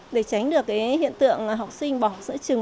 để tránh được hiện tượng học sinh bỏ học giữa trường